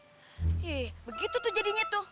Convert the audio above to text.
hih begitu tuh jadinya tuh